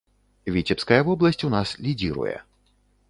Віцебская вобласць у нас лідзіруе.